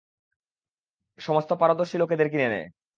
সমস্ত পারদর্শী লোকেদের কিনে নেয়।